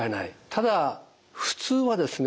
ただ普通はですね